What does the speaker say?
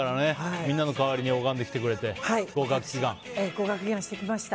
みんなの代わりに拝んできてくれて合格祈願してきました。